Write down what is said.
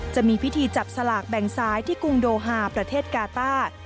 จะมีพิธีจับสลากแบ่งซ้ายที่กรุงโดฮาประเทศกาต้า